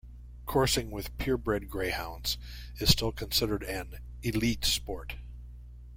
Coursing with purebred Greyhounds is still considered an "elite" sport.